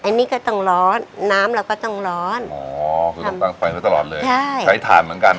อันนี้ก็ต้องร้อนน้ำเราก็ต้องร้อนอ๋อคือต้องตั้งไฟไว้ตลอดเลยใช่ใช้ถ่านเหมือนกัน